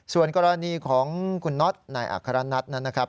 ส่วนกรณีของคุณน็อตนายอัครนัทนั้นนะครับ